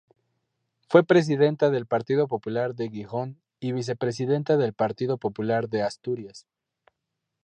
Fue presidenta del Partido Popular de Gijón y vicepresidenta del Partido Popular de Asturias.